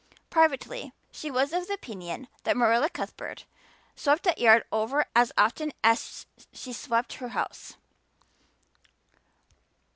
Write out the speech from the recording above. Privately she was of the opinion that Marilla Cuthbert swept that yard over as often as she swept her house.